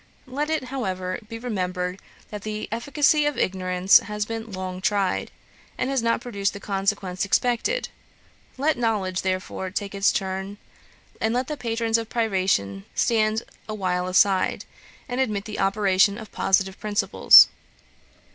Let it, however, be remembered, that the efficacy of ignorance has been long tried, and has not produced the consequence expected. Let knowledge, therefore, take its turn; and let the patrons of privation stand awhile aside, and admit the operation of positive principles.